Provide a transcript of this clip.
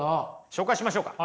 紹介しましょうか？